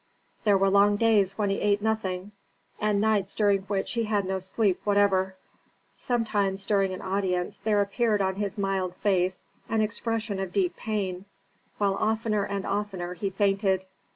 There were long days when he ate nothing, and nights during which he had no sleep whatever. Sometimes during an audience, there appeared on his mild face an expression of deep pain, while oftener and oftener, he fainted.